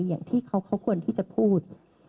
อย่างที่เขาควรที่จะพูด